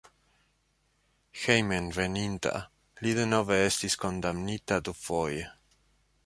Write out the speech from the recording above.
Hejmenveninta li denove estis kondamnita dufoje.